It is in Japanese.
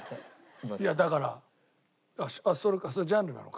いやだから。それジャンルなのか。